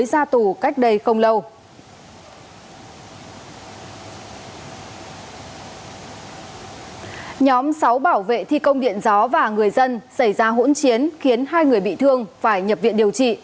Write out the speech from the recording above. sau khi điện gió và người dân xảy ra hỗn chiến khiến hai người bị thương phải nhập viện điều trị